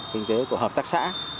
kinh tế của hợp tác xã